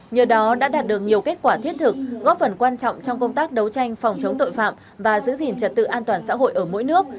nhờ đó đã đạt được nhiều kết quả thiết thực góp phần quan trọng trong công tác đấu tranh phòng chống tội phạm và giữ gìn trật tự an toàn xã hội ở mỗi nước